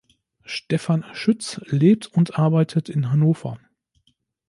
Stefan Schütz lebt und arbeitet in Hannover.